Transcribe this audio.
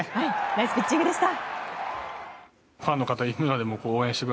ナイスピッチングでした。